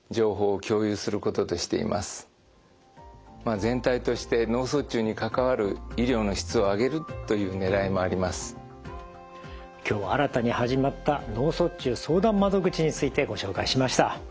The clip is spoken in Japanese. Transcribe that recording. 全体として今日は新たに始まった脳卒中相談窓口についてご紹介しました。